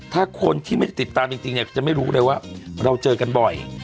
ถ้าคนที่ไม่ได้ติดตามจริงเนี่ยจะไม่รู้เลยว่าเราเจอกันบ่อย